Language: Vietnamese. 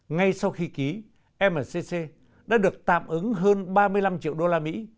ngay sau khi ký mcc đã được tạm ứng hơn ba mươi năm triệu đô la mỹ